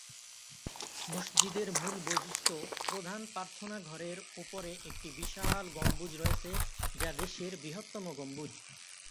মসজিদের মূল বৈশিষ্ট্য প্রধান প্রার্থনা-ঘরের উপরে একটি বিশাল গম্বুজ রয়েছে, যা দেশের বৃহত্তম গম্বুজ।